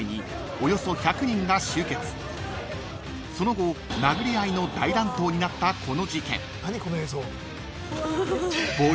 ［その後殴り合いの大乱闘になったこの事件］